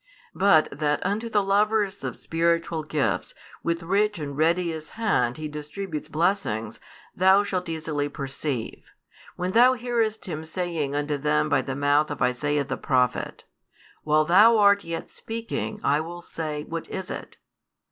But that unto the lovers of spiritual gifts with rich and readiest hand He distributes blessings, thou shalt easily perceive, when thou hearest Him saying unto them by the mouth of Isaiah the prophet: While thou art yet speaking, 1 will say, What is it?